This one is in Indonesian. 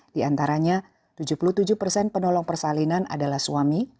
di antaranya tujuh puluh tujuh persen penolong persalinan adalah suami